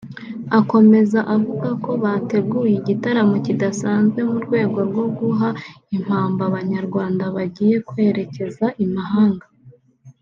Akomeza avuga ko bateguye igitaramo kidasanzwe mu rwego rwo guha impamba Abanyarwanda bagiye kwerekeza i Mahanga